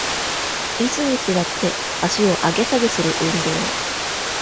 イスに座って足を上げ下げする運動